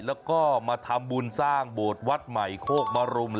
แล้วก็มาทำบุญสร้างโบสถ์วัดใหม่โคกมรุม